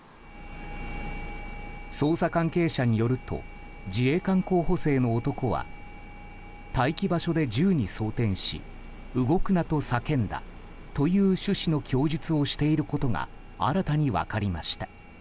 捜査関係者によると自衛官候補生の男は待機場所で銃に装填し動くなと叫んだという趣旨の供述をしていることが新たに分かりました。